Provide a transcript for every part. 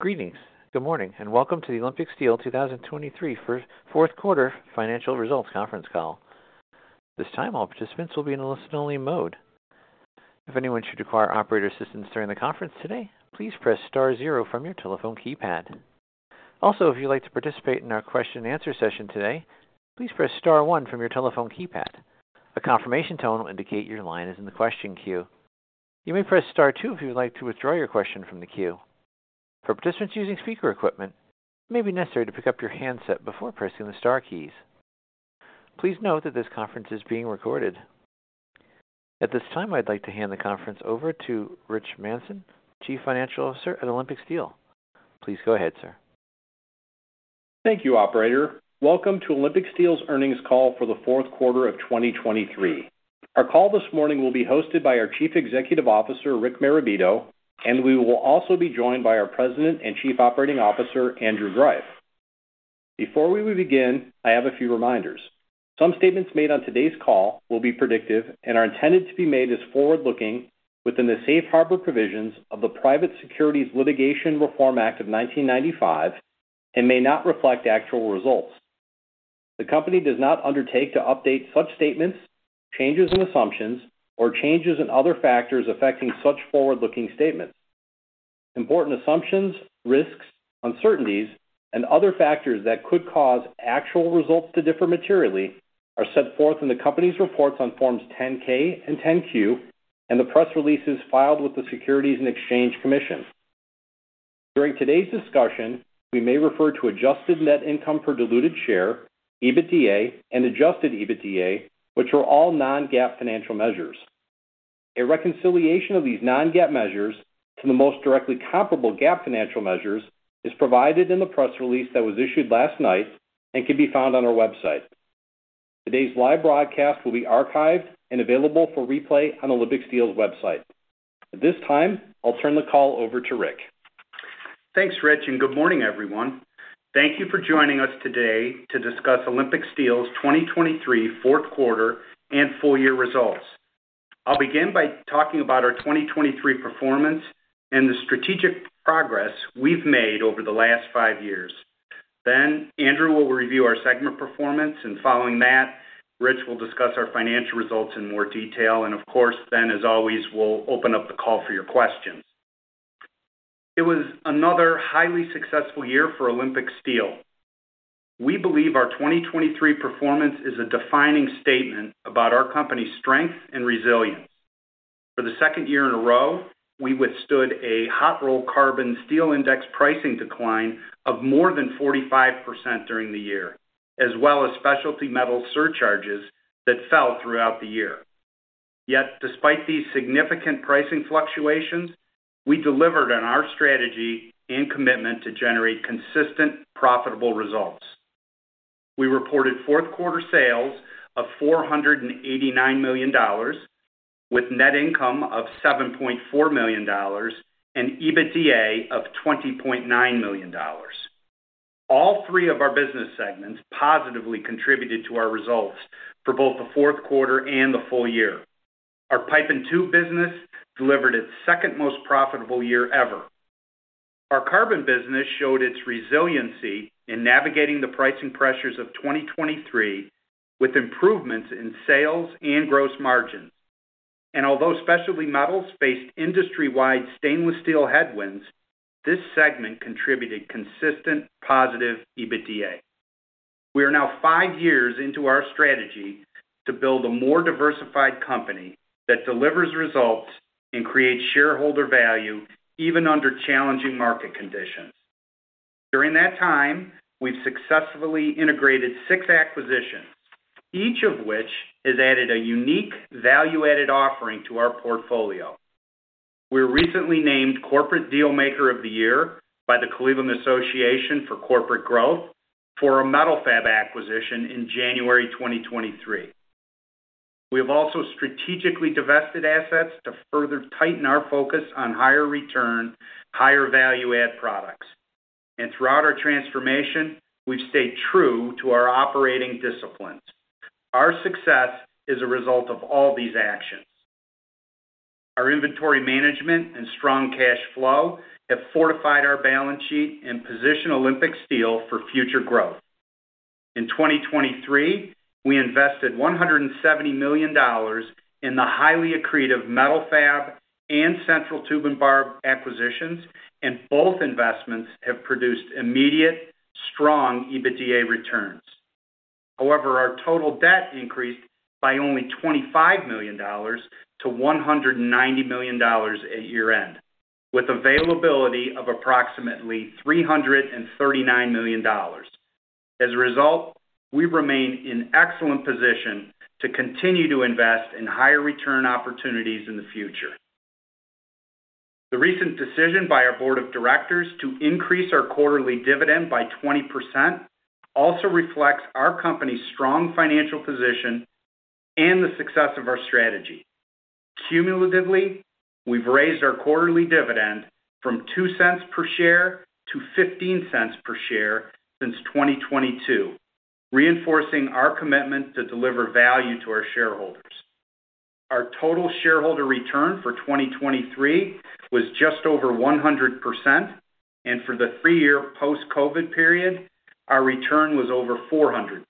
Greetings. Good morning, and welcome to the Olympic Steel 2023 fourth quarter financial results conference call. This time all participants will be in a listen-only mode. If anyone should require operator assistance during the conference today, please press star zero from your telephone keypad. Also, if you'd like to participate in our question-and-answer session today, please press star one from your telephone keypad. A confirmation tone will indicate your line is in the question queue. You may press star two if you would like to withdraw your question from the queue. For participants using speaker equipment, it may be necessary to pick up your handset before pressing the star keys. Please note that this conference is being recorded. At this time I'd like to hand the conference over to Rich Manson, Chief Financial Officer at Olympic Steel. Please go ahead, sir. Thank you, Operator. Welcome to Olympic Steel's earnings call for the fourth quarter of 2023. Our call this morning will be hosted by our Chief Executive Officer Rick Marabito, and we will also be joined by our President and Chief Operating Officer Andrew Greiff. Before we begin, I have a few reminders. Some statements made on today's call will be predictive and are intended to be made as forward-looking within the safe harbor provisions of the Private Securities Litigation Reform Act of 1995 and may not reflect actual results. The company does not undertake to update such statements, changes in assumptions, or changes in other factors affecting such forward-looking statements. Important assumptions, risks, uncertainties, and other factors that could cause actual results to differ materially are set forth in the company's reports on Forms 10-K and 10-Q and the press releases filed with the Securities and Exchange Commission. During today's discussion we may refer to adjusted net income per diluted share, EBITDA, and adjusted EBITDA, which are all non-GAAP financial measures. A reconciliation of these non-GAAP measures to the most directly comparable GAAP financial measures is provided in the press release that was issued last night and can be found on our website. Today's live broadcast will be archived and available for replay on Olympic Steel's website. At this time I'll turn the call over to Rick. Thanks, Rich, and good morning, everyone. Thank you for joining us today to discuss Olympic Steel's 2023 fourth quarter and full-year results. I'll begin by talking about our 2023 performance and the strategic progress we've made over the last five years. Then Andrew will review our segment performance, and following that Rich will discuss our financial results in more detail, and of course then as always we'll open up the call for your questions. It was another highly successful year for Olympic Steel. We believe our 2023 performance is a defining statement about our company's strength and resilience. For the second year in a row we withstood a hot-rolled carbon steel index pricing decline of more than 45% during the year, as well as specialty metal surcharges that fell throughout the year. Yet despite these significant pricing fluctuations we delivered on our strategy and commitment to generate consistent profitable results. We reported fourth quarter sales of $489 million, with net income of $7.4 million, and EBITDA of $20.9 million. All three of our business segments positively contributed to our results for both the fourth quarter and the full year. Our Pipe and Tube business delivered its second most profitable year ever. Our Carbon business showed its resiliency in navigating the pricing pressures of 2023 with improvements in sales and gross margins, and although Specialty Metals faced industry-wide stainless steel headwinds this segment contributed consistent positive EBITDA. We are now five years into our strategy to build a more diversified company that delivers results and creates shareholder value even under challenging market conditions. During that time we've successfully integrated six acquisitions, each of which has added a unique value-added offering to our portfolio. We were recently named Corporate Dealmaker of the Year by the Cleveland Association for Corporate Growth for a Metal-Fab acquisition in January 2023. We have also strategically divested assets to further tighten our focus on higher return, higher value-add products, and throughout our transformation we've stayed true to our operating disciplines. Our success is a result of all these actions. Our inventory management and strong cash flow have fortified our balance sheet and positioned Olympic Steel for future growth. In 2023 we invested $170 million in the highly accretive Metal-Fab and Central Tube & Bar acquisitions, and both investments have produced immediate, strong EBITDA returns. However, our total debt increased by only $25 million to $190 million at year-end, with availability of approximately $339 million. As a result we remain in excellent position to continue to invest in higher return opportunities in the future. The recent decision by our board of directors to increase our quarterly dividend by 20% also reflects our company's strong financial position and the success of our strategy. Cumulatively we've raised our quarterly dividend from $0.02 per share to $0.15 per share since 2022, reinforcing our commitment to deliver value to our shareholders. Our total shareholder return for 2023 was just over 100%, and for the three-year post-COVID period our return was over 400%.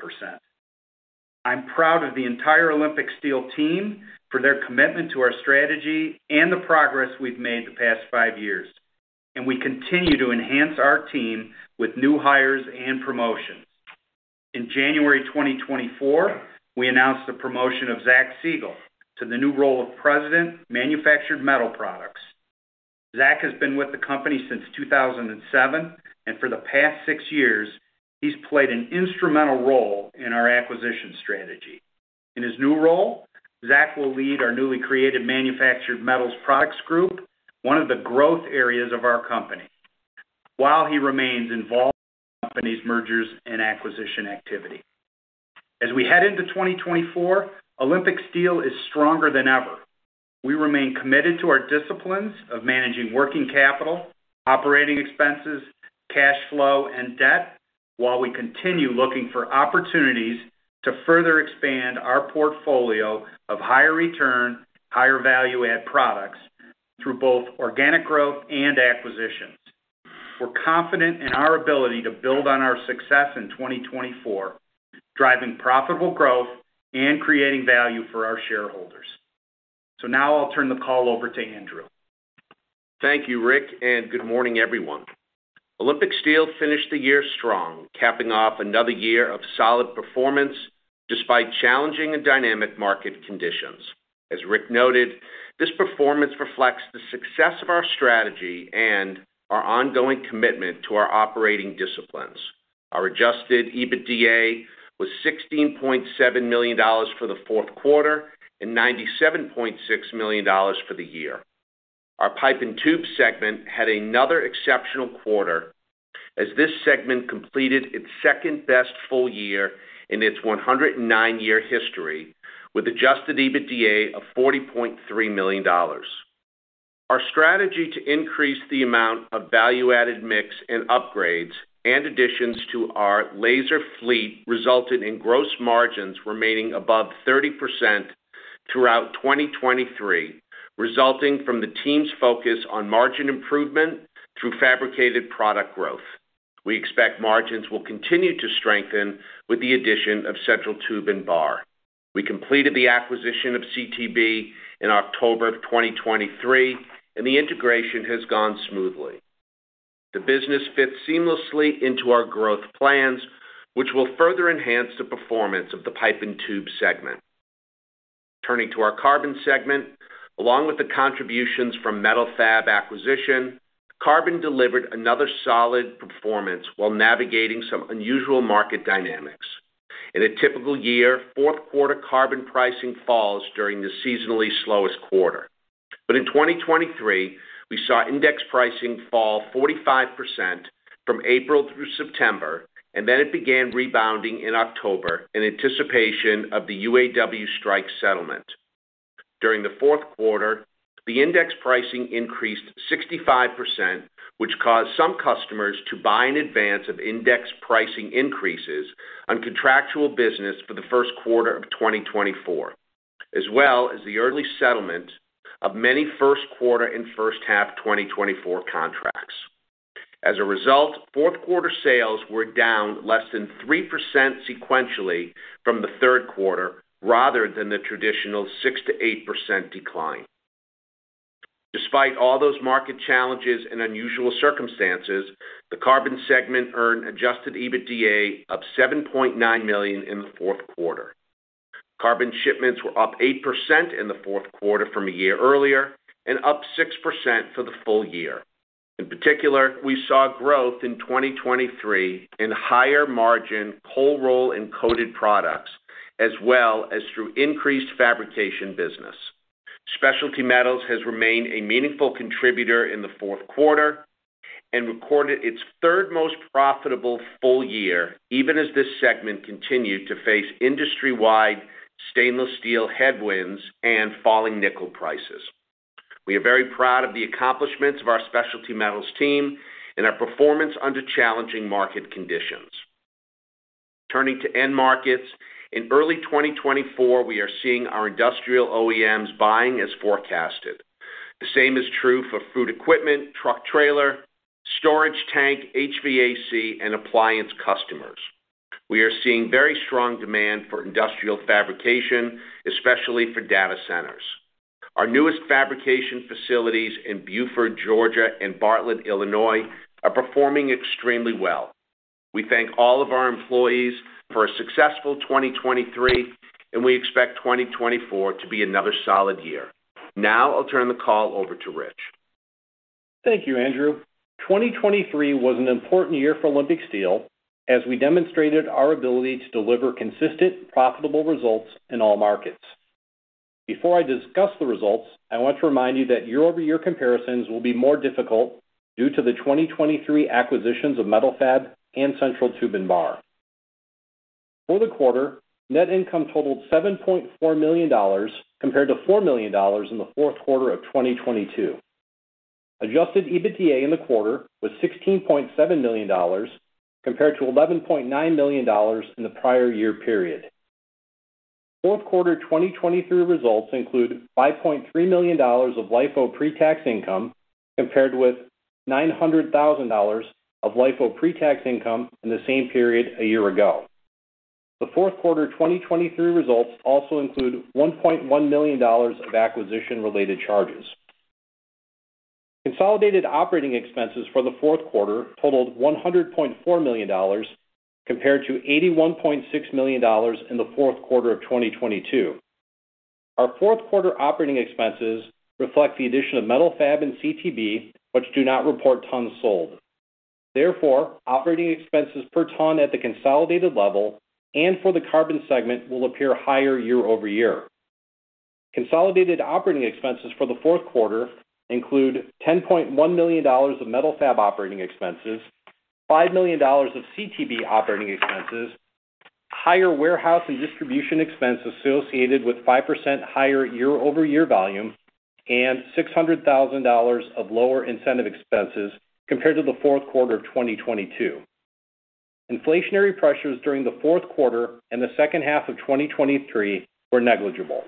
I'm proud of the entire Olympic Steel team for their commitment to our strategy and the progress we've made the past five years, and we continue to enhance our team with new hires and promotions. In January 2024 we announced the promotion of Zach Siegal to the new role of President Manufactured Metal Products. Zach has been with the company since 2007, and for the past six years he's played an instrumental role in our acquisition strategy. In his new role Zach will lead our newly created Manufactured Metal Products group, one of the growth areas of our company, while he remains involved in the company's mergers and acquisition activity. As we head into 2024, Olympic Steel is stronger than ever. We remain committed to our disciplines of managing working capital, operating expenses, cash flow, and debt, while we continue looking for opportunities to further expand our portfolio of higher return, higher value-add products through both organic growth and acquisitions. We're confident in our ability to build on our success in 2024, driving profitable growth and creating value for our shareholders. So now I'll turn the call over to Andrew. Thank you, Rick, and good morning, everyone. Olympic Steel finished the year strong, capping off another year of solid performance despite challenging and dynamic market conditions. As Rick noted, this performance reflects the success of our strategy and our ongoing commitment to our operating disciplines. Our Adjusted EBITDA was $16.7 million for the fourth quarter and $97.6 million for the year. Our Pipe and Tube segment had another exceptional quarter as this segment completed its second best full year in its 109-year history with Adjusted EBITDA of $40.3 million. Our strategy to increase the amount of value-added mix and upgrades and additions to our laser fleet resulted in gross margins remaining above 30% throughout 2023, resulting from the team's focus on margin improvement through fabricated product growth. We expect margins will continue to strengthen with the addition of Central Tube & Bar. We completed the acquisition of CTB in October of 2023, and the integration has gone smoothly. The business fits seamlessly into our growth plans, which will further enhance the performance of the Pipe and Tube segment. Turning to our Carbon segment, along with the contributions from Metal-Fab acquisition, carbon delivered another solid performance while navigating some unusual market dynamics. In a typical year, fourth quarter carbon pricing falls during the seasonally slowest quarter, but in 2023 we saw index pricing fall 45% from April through September, and then it began rebounding in October in anticipation of the UAW strike settlement. During the fourth quarter, the index pricing increased 65%, which caused some customers to buy in advance of index pricing increases on contractual business for the first quarter of 2024, as well as the early settlement of many first quarter and first half 2024 contracts. As a result, fourth quarter sales were down less than 3% sequentially from the third quarter rather than the traditional 6%-8% decline. Despite all those market challenges and unusual circumstances, the Carbon segment earned Adjusted EBITDA of $7.9 million in the fourth quarter. Carbon shipments were up 8% in the fourth quarter from a year earlier and up 6% for the full year. In particular, we saw growth in 2023 in higher margin cold-rolled and coated products, as well as through increased fabrication business. Specialty Metals has remained a meaningful contributor in the fourth quarter and recorded its third most profitable full year even as this segment continued to face industry-wide stainless steel headwinds and falling nickel prices. We are very proud of the accomplishments of our Specialty Metals team and our performance under challenging market conditions. Turning to end markets in early 2024, we are seeing our industrial OEMs buying as forecasted. The same is true for fluid equipment, truck-trailer, storage tank, HVAC, and appliance customers. We are seeing very strong demand for industrial fabrication, especially for data centers. Our newest fabrication facilities in Buford, Georgia, and Bartlett, Illinois are performing extremely well. We thank all of our employees for a successful 2023, and we expect 2024 to be another solid year. Now I'll turn the call over to Rich. Thank you, Andrew. 2023 was an important year for Olympic Steel as we demonstrated our ability to deliver consistent, profitable results in all markets. Before I discuss the results I want to remind you that year-over-year comparisons will be more difficult due to the 2023 acquisitions of Metal-Fab and Central Tube & Bar. For the quarter net income totaled $7.4 million compared to $4 million in the fourth quarter of 2022. Adjusted EBITDA in the quarter was $16.7 million compared to $11.9 million in the prior year period. Fourth quarter 2023 results include $5.3 million of LIFO pre-tax income compared with $900,000 of LIFO pre-tax income in the same period a year ago. The fourth quarter 2023 results also include $1.1 million of acquisition-related charges. Consolidated operating expenses for the fourth quarter totaled $100.4 million compared to $81.6 million in the fourth quarter of 2022. Our fourth quarter operating expenses reflect the addition of Metal-Fab and CTB, which do not report tons sold. Therefore operating expenses per ton at the consolidated level and for the Carbon segment will appear higher year-over-year. Consolidated operating expenses for the fourth quarter include $10.1 million of Metal-Fab operating expenses, $5 million of CTB operating expenses, higher warehouse and distribution expense associated with 5% higher year-over-year volume, and $600,000 of lower incentive expenses compared to the fourth quarter of 2022. Inflationary pressures during the fourth quarter and the second half of 2023 were negligible.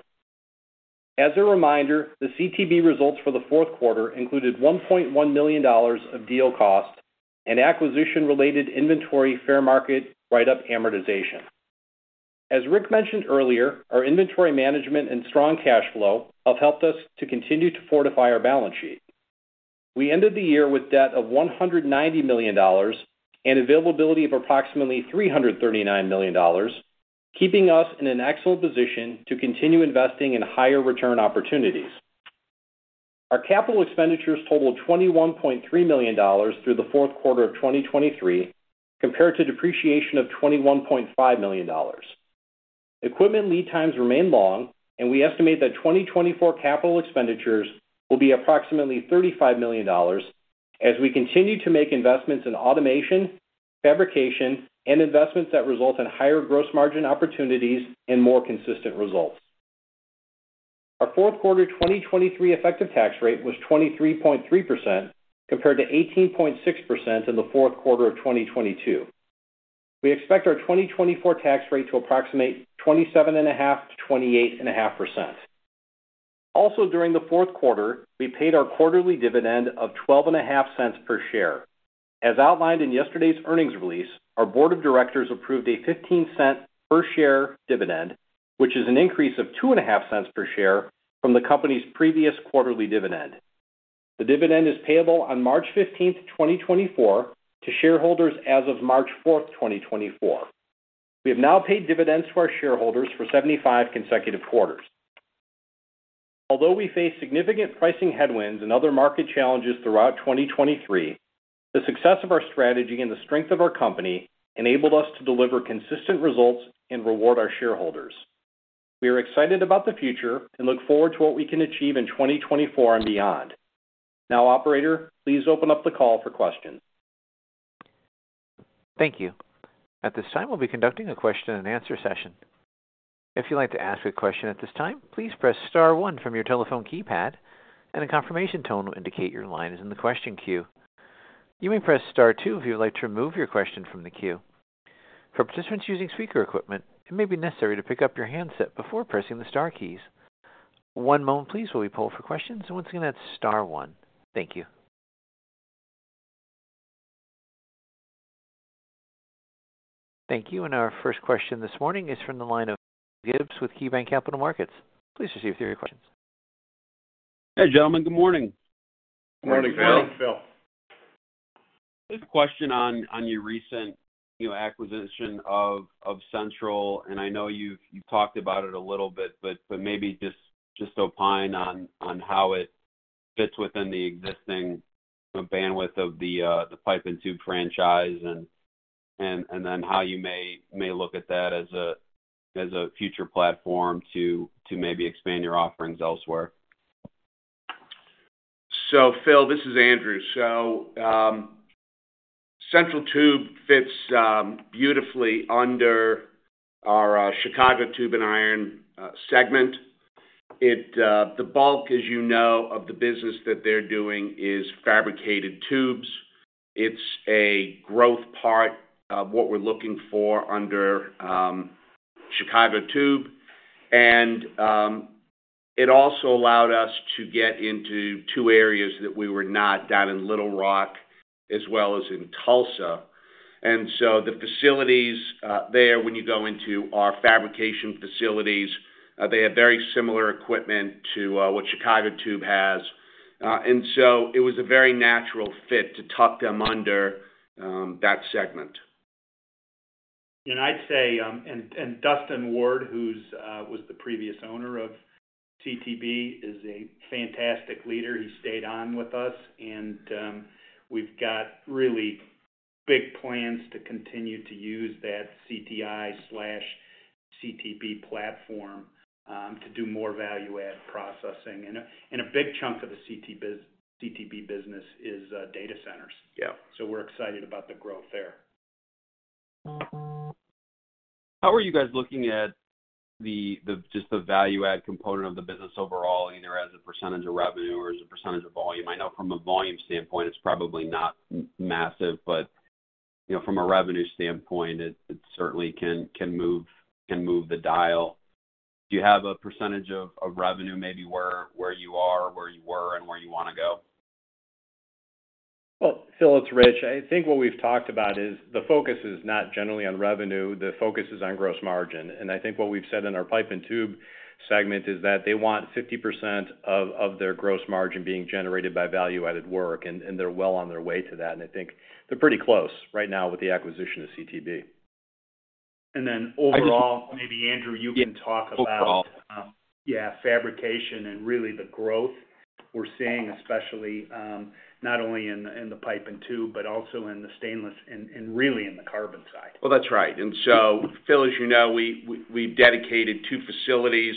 As a reminder the CTB results for the fourth quarter included $1.1 million of deal cost and acquisition-related inventory fair market write-up amortization. As Rick mentioned earlier our inventory management and strong cash flow have helped us to continue to fortify our balance sheet. We ended the year with debt of $190 million and availability of approximately $339 million, keeping us in an excellent position to continue investing in higher return opportunities. Our capital expenditures totaled $21.3 million through the fourth quarter of 2023 compared to depreciation of $21.5 million. Equipment lead times remain long, and we estimate that 2024 capital expenditures will be approximately $35 million as we continue to make investments in automation, fabrication, and investments that result in higher gross margin opportunities and more consistent results. Our fourth quarter 2023 effective tax rate was 23.3% compared to 18.6% in the fourth quarter of 2022. We expect our 2024 tax rate to approximate 27.5%-28.5%. Also during the fourth quarter we paid our quarterly dividend of $0.12 per share. As outlined in yesterday's earnings release, our board of directors approved a $0.15 per share dividend, which is an increase of $0.02 per share from the company's previous quarterly dividend. The dividend is payable on March 15, 2024, to shareholders as of March 4, 2024. We have now paid dividends to our shareholders for 75 consecutive quarters. Although we face significant pricing headwinds and other market challenges throughout 2023, the success of our strategy and the strength of our company enabled us to deliver consistent results and reward our shareholders. We are excited about the future and look forward to what we can achieve in 2024 and beyond. Now, operator, please open up the call for questions. Thank you. At this time we'll be conducting a question and answer session. If you'd like to ask a question at this time please press star one from your telephone keypad, and a confirmation tone will indicate your line is in the question queue. You may press star two if you'd like to remove your question from the queue. For participants using speaker equipment it may be necessary to pick up your handset before pressing the star keys. One moment please while we pull for questions, and once again that's star one. Thank you. Thank you, and our first question this morning is from the line of Phil Gibbs with KeyBanc Capital Markets. Please proceed with your questions. Hey gentlemen, good morning. Good morning, Phil. Good morning, Phil. This question on your recent acquisition of Central, and I know you've talked about it a little bit, but maybe just opine on how it fits within the existing bandwidth of the pipe and tube franchise, and then how you may look at that as a future platform to maybe expand your offerings elsewhere. So Phil, this is Andrew. So Central Tube fits beautifully under our Chicago Tube & Iron segment. The bulk, as you know, of the business that they're doing is fabricated tubes. It's a growth part of what we're looking for under Chicago Tube, and it also allowed us to get into two areas that we were not, down in Little Rock as well as in Tulsa. And so the facilities there, when you go into our fabrication facilities, they have very similar equipment to what Chicago Tube has, and so it was a very natural fit to tuck them under that segment. I'd say, and Dustin Ward, who was the previous owner of CTB, is a fantastic leader. He stayed on with us, and we've got really big plans to continue to use that CTI/CTB platform to do more value-add processing. A big chunk of the CTB business is data centers, so we're excited about the growth there. How are you guys looking at just the value-add component of the business overall, either as a percentage of revenue or as a percentage of volume? I know from a volume standpoint it's probably not massive, but from a revenue standpoint it certainly can move the dial. Do you have a percentage of revenue maybe where you are, where you were, and where you want to go? Well, Phil, it's Rich. I think what we've talked about is the focus is not generally on revenue. The focus is on gross margin, and I think what we've said in our Pipe and Tube segment is that they want 50% of their gross margin being generated by value-added work, and they're well on their way to that, and I think they're pretty close right now with the acquisition of CTB. And then overall, maybe Andrew, you can talk about. Overall. Yeah, fabrication and really the growth we're seeing, especially not only in the pipe and tube, but also in the stainless and really in the carbon side. Well, that's right. And so Phil, as you know, we've dedicated two facilities.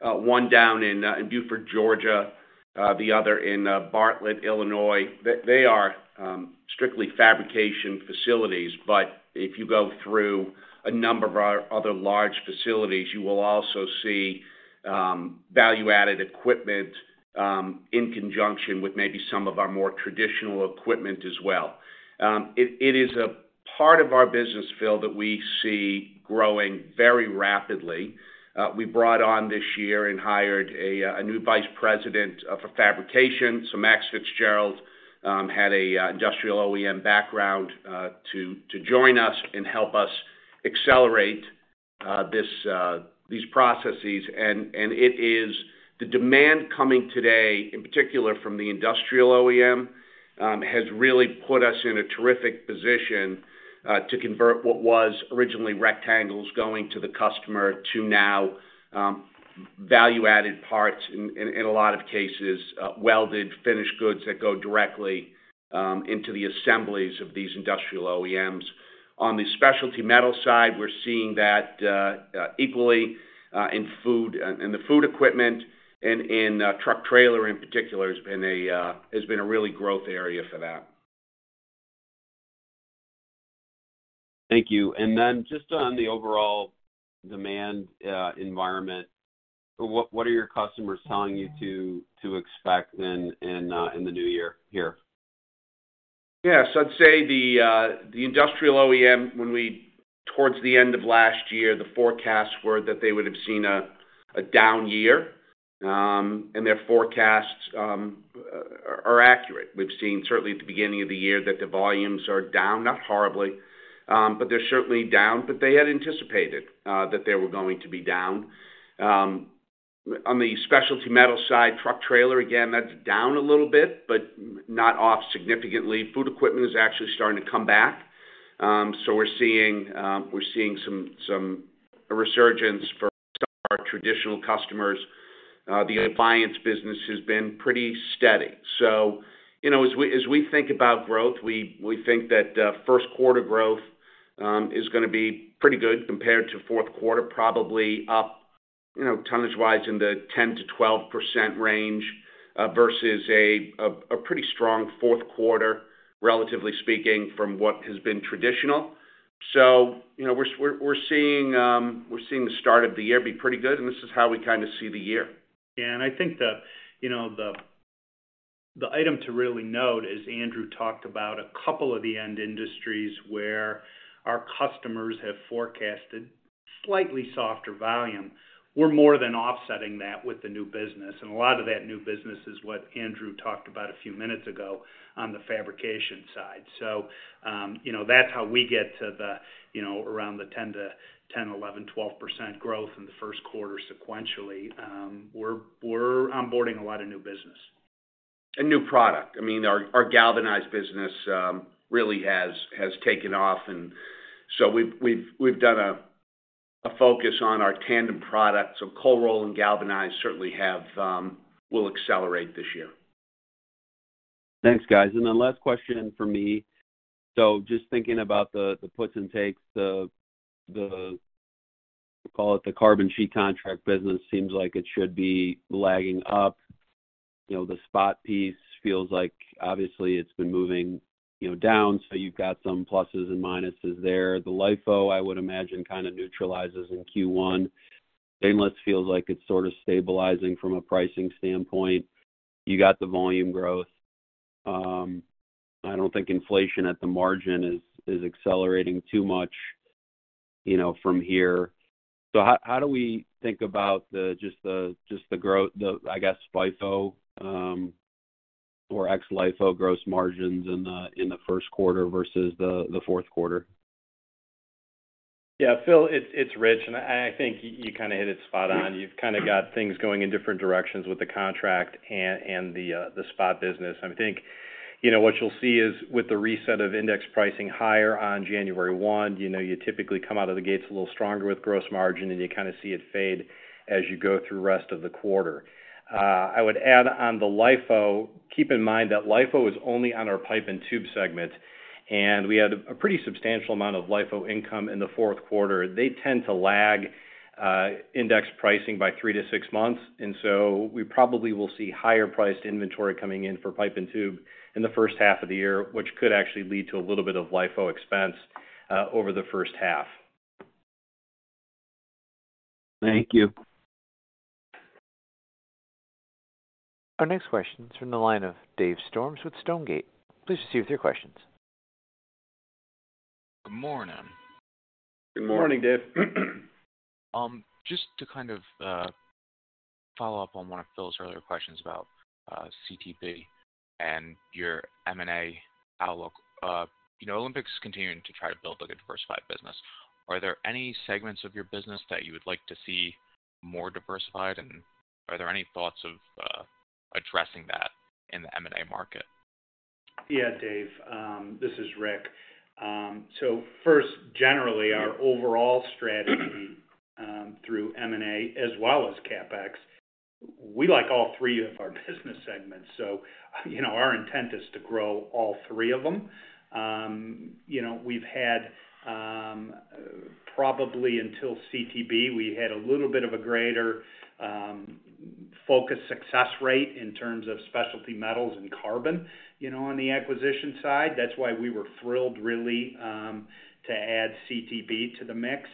One down in Buford, Georgia, the other in Bartlett, Illinois. They are strictly fabrication facilities, but if you go through a number of our other large facilities you will also see value-added equipment in conjunction with maybe some of our more traditional equipment as well. It is a part of our business, Phil, that we see growing very rapidly. We brought on this year and hired a new Vice President for Fabrication. So Max Fitzgerald had an industrial OEM background to join us and help us accelerate these processes, and it is the demand coming today, in particular from the industrial OEM, has really put us in a terrific position to convert what was originally rectangles going to the customer to now value-added parts and in a lot of cases welded finished goods that go directly into the assemblies of these industrial OEMs. On the Specialty Metals side we're seeing that equally in food, and the food equipment and truck-trailer in particular has been a really growth area for that. Thank you. And then just on the overall demand environment, what are your customers telling you to expect in the new year here? Yeah, so I'd say the industrial OEM, towards the end of last year the forecasts were that they would have seen a down year, and their forecasts are accurate. We've seen certainly at the beginning of the year that the volumes are down, not horribly, but they're certainly down, but they had anticipated that they were going to be down. On the Specialty Metal side, truck-trailer again that's down a little bit, but not off significantly. Food equipment is actually starting to come back, so we're seeing some resurgence for our traditional customers. The appliance business has been pretty steady. So as we think about growth we think that first quarter growth is going to be pretty good compared to fourth quarter, probably up tonnage-wise in the 10%-12% range versus a pretty strong fourth quarter, relatively speaking, from what has been traditional. We're seeing the start of the year be pretty good, and this is how we kind of see the year. Yeah, and I think the item to really note is Andrew talked about a couple of the end industries where our customers have forecasted slightly softer volume. We're more than offsetting that with the new business, and a lot of that new business is what Andrew talked about a few minutes ago on the fabrication side. So that's how we get to around the 10%-12% growth in the first quarter sequentially. We're onboarding a lot of new business. New product. I mean, our galvanized business really has taken off, and so we've done a focus on our tandem products. Cold rolled and galvanized certainly will accelerate this year. Thanks, guys. And then last question for me. So just thinking about the puts and takes, call it the carbon sheet contract business seems like it should be lagging up. The spot piece feels like obviously it's been moving down, so you've got some pluses and minuses there. The LIFO I would imagine kind of neutralizes in Q1. Stainless feels like it's sort of stabilizing from a pricing standpoint. You got the volume growth. I don't think inflation at the margin is accelerating too much from here. So how do we think about just the growth, I guess, LIFO or ex-LIFO gross margins in the first quarter versus the fourth quarter? Yeah, Phil, it's Rich, and I think you kind of hit it spot on. You've kind of got things going in different directions with the contract and the spot business. I think what you'll see is with the reset of index pricing higher on January 1, you typically come out of the gates a little stronger with gross margin, and you kind of see it fade as you go through the rest of the quarter. I would add on the LIFO. Keep in mind that LIFO is only on our Pipe and Tube segment, and we had a pretty substantial amount of LIFO income in the fourth quarter. They tend to lag index pricing by 3-6 months, and so we probably will see higher-priced inventory coming in for pipe and tube in the first half of the year, which could actually lead to a little bit of LIFO expense over the first half. Thank you. Our next question's from the line of Dave Storms with Stonegate. Please receive three questions. Good morning. Good morning, Dave. Just to kind of follow up on one of Phil's earlier questions about CTB and your M&A outlook, Olympic Steel is continuing to try to build a diversified business. Are there any segments of your business that you would like to see more diversified, and are there any thoughts of addressing that in the M&A market? Yeah, Dave. This is Rich. So first, generally, our overall strategy through M&A as well as CapEx, we like all three of our business segments, so our intent is to grow all three of them. We've had, probably until CTB, we had a little bit of a greater focus success rate in terms of Specialty Metals and Carbon on the acquisition side. That's why we were thrilled really to add CTB to the mix.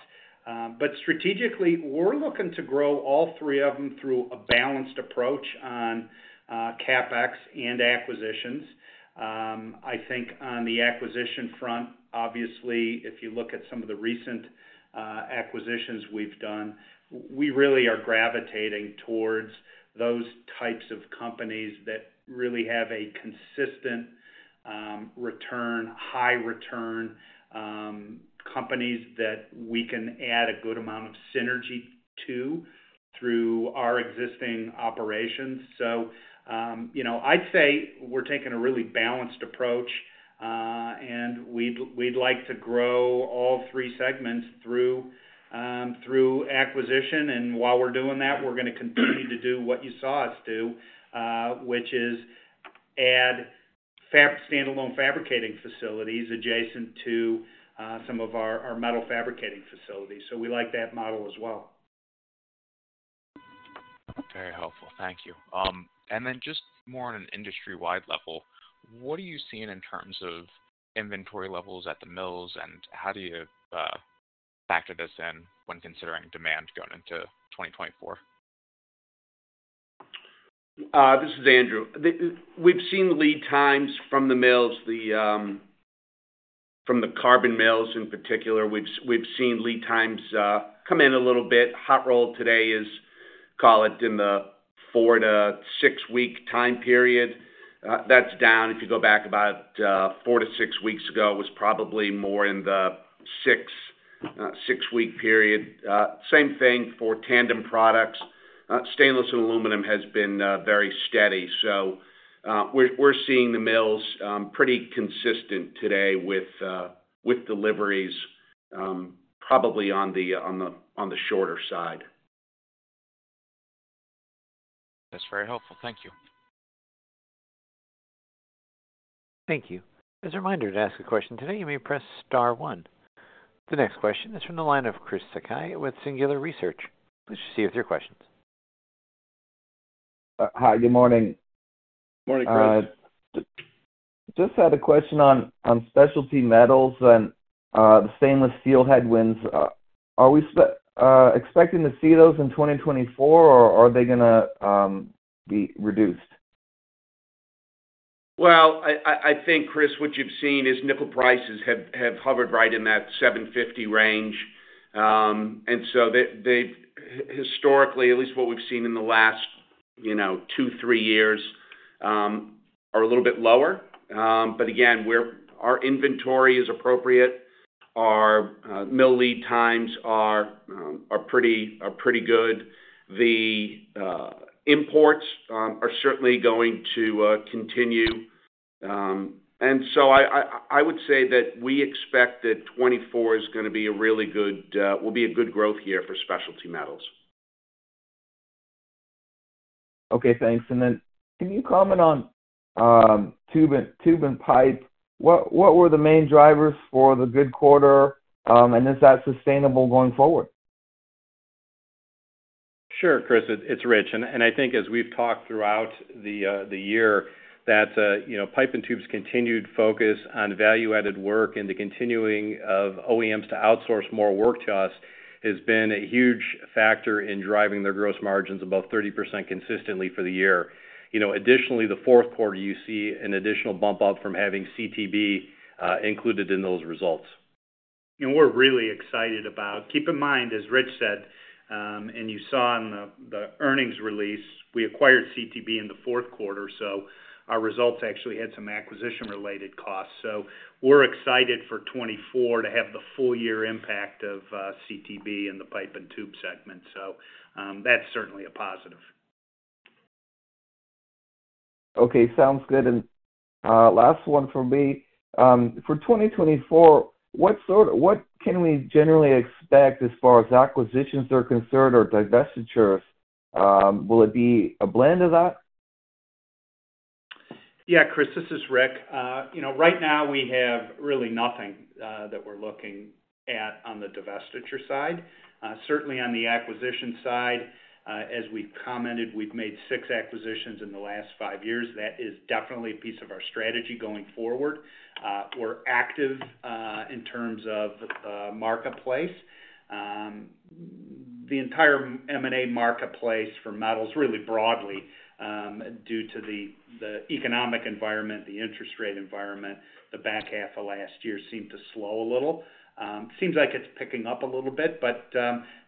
But strategically we're looking to grow all three of them through a balanced approach on CapEx and acquisitions. I think on the acquisition front, obviously, if you look at some of the recent acquisitions we've done, we really are gravitating towards those types of companies that really have a consistent return, high return, companies that we can add a good amount of synergy to through our existing operations. I'd say we're taking a really balanced approach, and we'd like to grow all three segments through acquisition, and while we're doing that we're going to continue to do what you saw us do, which is add standalone fabricating facilities adjacent to some of our metal fabricating facilities. We like that model as well. Very helpful. Thank you. And then just more on an industry-wide level, what are you seeing in terms of inventory levels at the mills, and how do you factor this in when considering demand going into 2024? This is Andrew. We've seen lead times from the mills, from the carbon mills in particular. We've seen lead times come in a little bit. Hot rolled today is, call it, in the four to six week time period. That's down. If you go back about four to six weeks ago it was probably more in the 6-week period. Same thing for tandem products. Stainless and aluminum has been very steady, so we're seeing the mills pretty consistent today with deliveries, probably on the shorter side. That's very helpful. Thank you. Thank you. As a reminder to ask a question today, you may press star one. The next question is from the line of Chris Sakai with Singular Research. Please receive three questions. Hi. Good morning. Morning, Chris. Just had a question on Specialty Metals and the stainless steel headwinds. Are we expecting to see those in 2024, or are they going to be reduced? Well, I think, Chris, what you've seen is nickel prices have hovered right in that $7.50 range, and so they've historically, at least what we've seen in the last two, three years, are a little bit lower. But again, our inventory is appropriate. Our mill lead times are pretty good. The imports are certainly going to continue, and so I would say that we expect that 2024 is going to be a really good will be a good growth year for specialty metals. Okay. Thanks. And then can you comment on tube and pipe? What were the main drivers for the good quarter, and is that sustainable going forward? Sure, Chris. It's Rich. I think as we've talked throughout the year that Pipe and Tube's continued focus on value-added work and the continuing of OEMs to outsource more work to us has been a huge factor in driving their gross margins above 30% consistently for the year. Additionally, the fourth quarter you see an additional bump up from having CTB included in those results. We're really excited. Keep in mind, as Rich said and you saw in the earnings release, we acquired CTB in the fourth quarter, so our results actually had some acquisition-related costs. We're excited for 2024 to have the full-year impact of CTB in the Pipe and Tube segment, so that's certainly a positive. Okay. Sounds good. Last one from me. For 2024, what can we generally expect as far as acquisitions are concerned or divestitures? Will it be a blend of that? Yeah, Chris. This is Rich. Right now we have really nothing that we're looking at on the divestiture side. Certainly on the acquisition side, as we've commented, we've made 6 acquisitions in the last 5 years. That is definitely a piece of our strategy going forward. We're active in terms of the marketplace. The entire M&A marketplace for metals really broadly, due to the economic environment, the interest rate environment, the back half of last year seemed to slow a little. Seems like it's picking up a little bit, but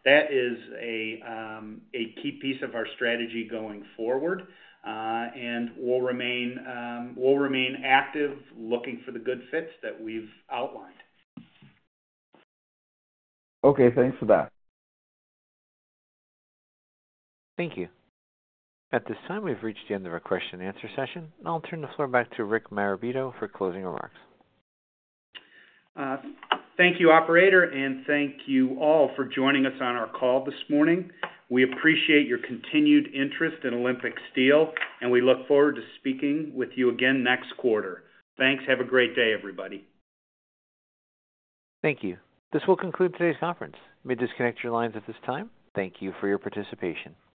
that is a key piece of our strategy going forward, and we'll remain active looking for the good fits that we've outlined. Okay. Thanks for that. Thank you. At this time we've reached the end of our question-and-answer session, and I'll turn the floor back to Rick Marabito for closing remarks. Thank you, operator, and thank you all for joining us on our call this morning. We appreciate your continued interest in Olympic Steel, and we look forward to speaking with you again next quarter. Thanks. Have a great day, everybody. Thank you. This will conclude today's conference. May disconnect your lines at this time. Thank you for your participation.